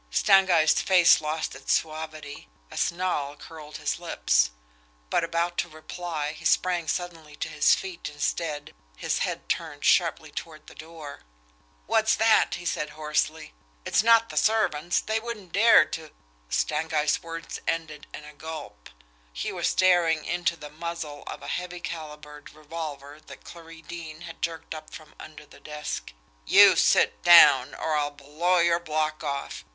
Stangeist's face lost its suavity, a snarl curled his lips; but, about to reply, he sprang suddenly to his feet instead, his head turned sharply toward the door. "What's that!" he said hoarsely. "It's not the servants, they wouldn't dare to " Stangeist's words ended in a gulp. He was staring into the muzzle of a heavy calibered revolver that Clarie Deane had jerked up from under the desk. "You sit down, or I'll blow your block off!"